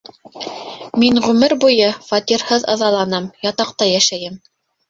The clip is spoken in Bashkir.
Мин ғүмер буйы фатирһыҙ ыҙаланам, ятаҡта йәшәйем!